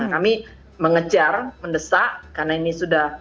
kami mengejar mendesak karena ini sudah